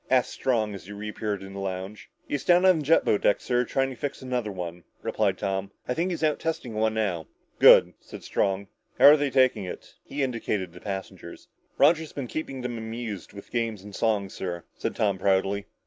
asked Strong, as he reappeared in the lounge. "He's down on the jet boat deck, sir, trying to fix another one," replied Tom. "I think he's out testing one now." "Good," said Strong. "How're they taking it?" He indicated the passengers. "Roger's been keeping them amused with games and songs, sir," said Tom proudly.